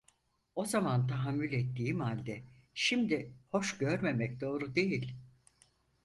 O zaman tahammül ettiğim halde şimdi hoş görmemek doğru değil…